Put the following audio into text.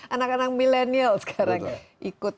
anak anak milenial sekarang ikut